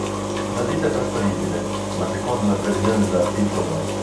La ditta è trasferibile, ma, secondo la previsione dell'art.